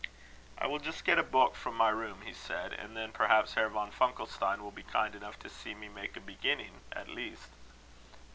"I will just get a book from my room," he said; "and then perhaps Herr von Funkelstein will be kind enough to see me make a beginning at least."